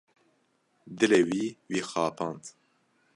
Dilê wî, wî xapand.